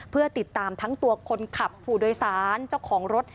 เพื่อติดตามทั้งตัวคนขับผู้โดยสารเจ้าของรถ